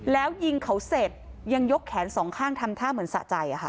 แล้วยิงเขาเสร็จยังยกแขนสองข้างทำท่าเหมือนสะใจ